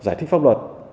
giải thích pháp luật